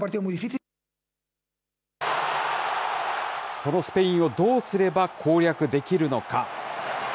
そのスペインをどうすれば攻略できるのか。